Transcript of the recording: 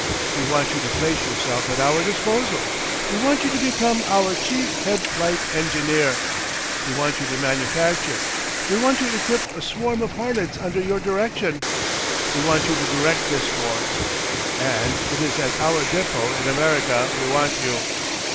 We want you to place yourself at our disposal. We want you to become our Chief Head Flight Engineer. We want you to manufacture, we want to equip a swarm of hornets under your direction. We want you to direct this force. And it is at our depot in America we want you.